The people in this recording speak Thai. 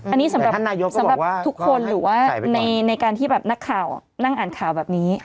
อันนี้สำหรับสำหรับทุกคนหรือว่าในการที่แบบนักข่าวนั่งอ่านข่าวแบบนี้